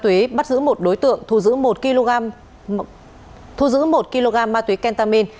chuyên án về ma túy bắt giữ một đối tượng thu giữ một kg ma túy kentamin